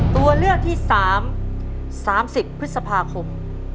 ตัวเลือกที่๓๓๐พฤษภาคม